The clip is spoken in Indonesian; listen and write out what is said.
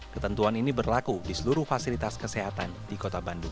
ketentuan ini berlaku di seluruh fasilitas kesehatan di kota bandung